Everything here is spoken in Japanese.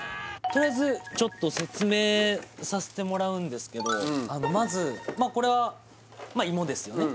とりあえずちょっと説明させてもらうんですけどまずまあこれはまあ芋ですよね